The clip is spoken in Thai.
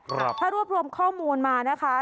ถ้ารวบรวมข้อมูลมานะคะ